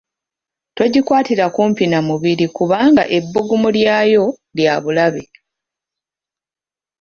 Togikwatira kumpi na mubiri kubanga ebbugumu lyayo lya bulabe.